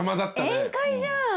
宴会じゃん。